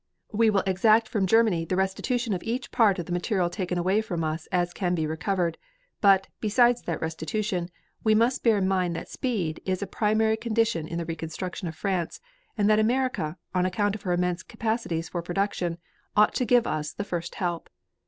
"We will exact from Germany the restitution of each part of the material taken away from us as can be recovered. But, besides that restitution, we must bear in mind that speed is a primary condition in the reconstruction of France, and that America, on account of her immense capacities for production, ought to give us the first help.